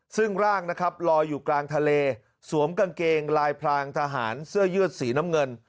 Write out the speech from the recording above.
ซึ่งร่างนะครับลอยอยู่กลางทะเลสวมกางเกงลายพรางทหารเสื้อยืดสีน้ำเงิน